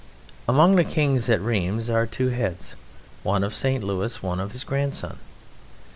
Among the kings at Rheims are two heads, one of St. Louis, one of his grandson.